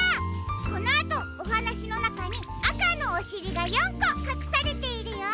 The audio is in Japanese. このあとおはなしのなかにあかのおしりが４こかくされているよ。